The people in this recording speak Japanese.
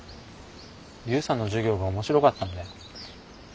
悠さんの授業が面白かったんだよ。